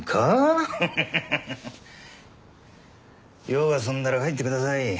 用が済んだら帰ってください。